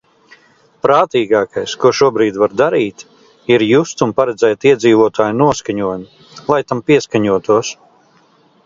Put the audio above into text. Prātīgākais, ko šobrīd var darīt, ir just un paredzēt iedzīvotāju noskaņojumu, lai tam pieskaņotos.